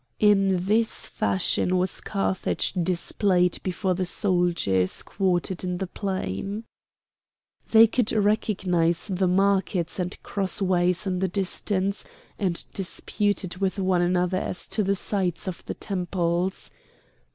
In this fashion was Carthage displayed before the soldiers quartered in the plain. They could recognise the markets and crossways in the distance, and disputed with one another as to the sites of the temples.